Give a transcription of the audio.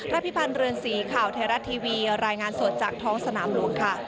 พิพันธ์เรือนสีข่าวไทยรัฐทีวีรายงานสดจากท้องสนามหลวงค่ะ